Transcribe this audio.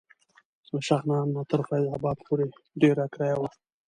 له شغنان نه تر فیض اباد پورې ډېره کرایه وه.